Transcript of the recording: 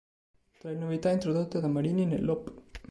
Tra le novità introdotte da Marini nell'op.